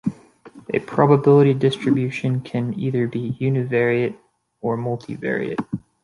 A probability distribution can either be univariate or multivariate.